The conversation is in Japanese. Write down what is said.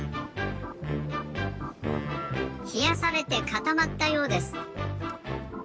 ひやされてかたまったようです。